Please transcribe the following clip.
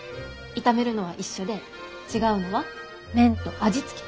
炒めるのは一緒で違うのは麺と味付け。